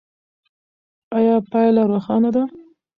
ایا پایله روښانه ده؟